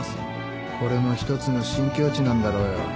これも一つの新境地なんだろうよ。